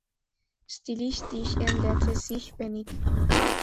Stilistisch änderte sich wenig.